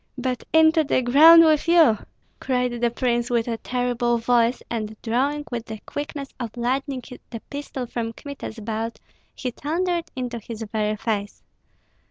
"But into the ground with you!" cried the prince, with a terrible voice; and drawing with the quickness of lightning the pistol from Kmita's belt, he thundered into his very face.